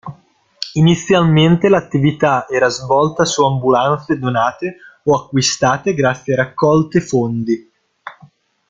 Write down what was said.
Inizialmente l'attività era svolta su ambulanze donate o acquistate grazie a raccolte fondi.